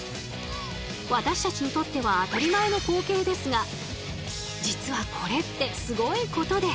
私たちにとっては当たり前の光景ですが実はこれってすごいことで。